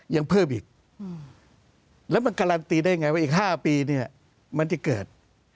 ยังเพิ่มอีกแล้วมันการันตีได้อย่างไรว่าอีก๕ปีมันจะเกิด